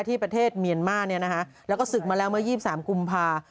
ที่ประเทศเมียนมานเนี่ยนะคะแล้วก็ศึกมาแล้วเมื่อ๒๓กุมภาคม